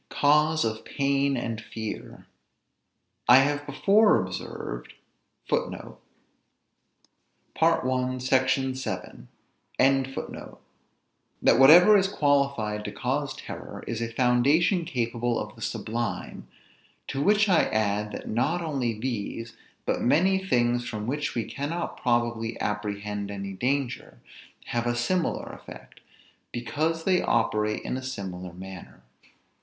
CAUSE OF PAIN AND FEAR. I have before observed, that whatever is qualified to cause terror is a foundation capable of the sublime; to which I add, that not only these, but many things from which we cannot probably apprehend any danger, have a similar effect, because they operate in a similar manner.